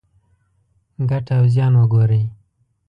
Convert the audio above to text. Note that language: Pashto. ګټه او زیان وګورئ.